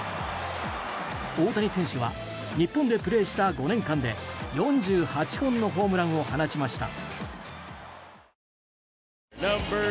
大谷選手は日本でプレーした５年間で４８本のホームランを放ちました。